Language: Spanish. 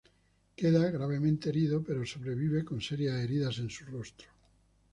Queda gravemente herido pero sobrevive con serias heridas en su rostro.